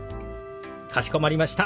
かしこまりました。